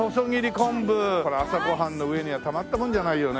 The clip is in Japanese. これ朝ご飯の上にはたまったもんじゃないよね。